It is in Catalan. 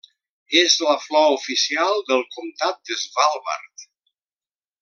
És la flor oficial del comtat de Svalbard.